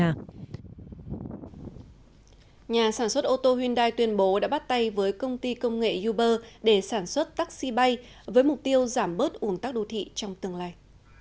nhà sản xuất ô tô hyundai tuyên bố đã bắt tay với công ty công nghệ uber để sản xuất taxi bay với mục tiêu giảm bớt un tắc đô thị trong tương lai